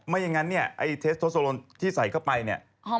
อย่างนั้นเนี่ยไอ้เทสโทสโซโลนที่ใส่เข้าไปเนี่ย